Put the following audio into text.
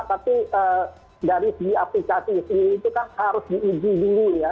tapi dari sisi aplikasi itu kan harus di uji dulu ya